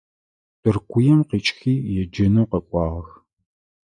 Тыркуем къикIыхи еджэнхэу къэкIуагъэх.